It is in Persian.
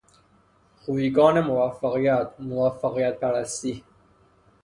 خویگان موفقیت، موفقیت پرستی